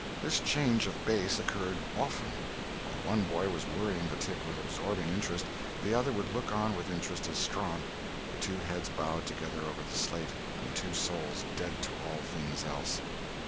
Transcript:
This change of base occurred often. While one boy was worrying the tick with absorbing interest, the other would look on with interest as strong, the two heads bowed together over the slate, and the two souls dead to all things else.